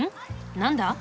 何だ？